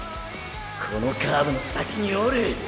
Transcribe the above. このカーブの先におる。